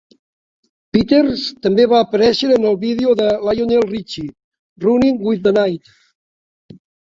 Peters també va aparèixer en el vídeo de Lionel Richie "Running With The Night".